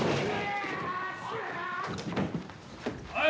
はい！